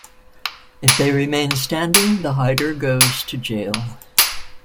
If they remain standing, the hider goes to jail.